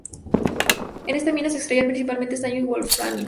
En esta mina se extraía principalmente estaño y wolframio.